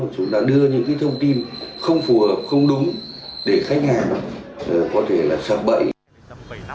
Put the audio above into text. chúng ta đưa những thông tin không phù hợp không đúng để khách hàng có thể sạc bậy